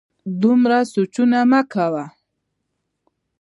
دومره سوچونه مه کوه